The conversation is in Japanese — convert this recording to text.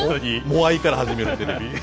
模合から始めるテレビ？